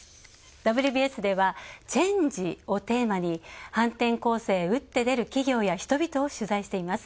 「ＷＢＳ」では「チェンジ」をテーマに反転攻勢へ打って出る企業や人々を取材しています。